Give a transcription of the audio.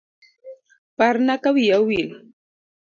Parna kawiya owil.